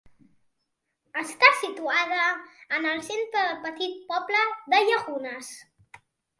Està situada en el centre del petit poble de Llagunes.